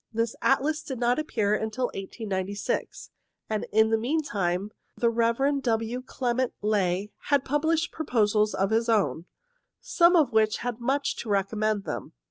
This atlas did not appear until 1896, and in the mean time the Rev. W. Clement Ley had published proposals of his own, some of which had much to recommend them.